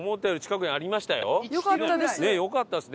よかったです。